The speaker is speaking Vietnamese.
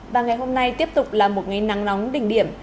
và ngày hôm nay tiếp tục là một ngày nắng nóng đỉnh điểm